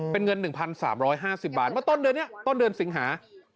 เป็นเงิน๑๓๕๐บาทเมื่อต้นเดือนนี้ต้นเดือนสิงหา